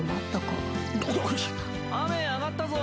雨上がったぞ！